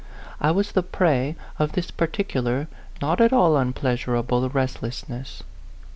I was the prey of this particular, not at all unpleasurable, restlessness.